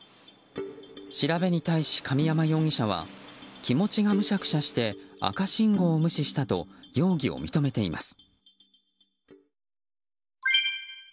調べに対し、神山容疑者は気持ちがむしゃくしゃして赤信号を無視したと容疑を認めています。